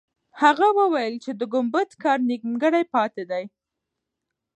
هغه وویل چې د ګمبد کار نیمګړی پاتې دی.